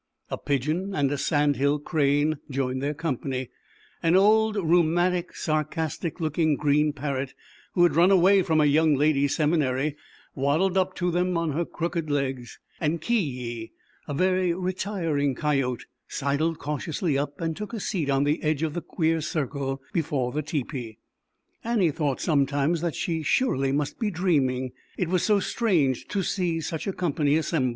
A Pigeon and a Sand Hill Crane joined their company. An old, rheumatic, sarcastic looking green Parrot, who had run away from a Young Ladies' Seminary, waddled up to them on her crooked legs, and Ki Yi, a very retiring Coyote, sidled cautiously up and took a seat on the edge of the queer circle before the Tepee i/lmEf^ 1 */"""^^ Annie thought sometimes that she surely must be dreaming, it was so strange to see such a company assembled.